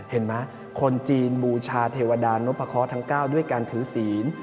เห็นไหมคนจีนบูชาเทวดานพเคาะทั้ง๙ด้วยการถือศีล